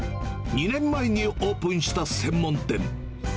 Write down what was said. ２年前にオープンした専門店。